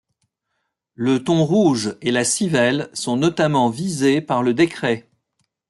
Le thon rouge et la civelle sont notamment visés par le décret.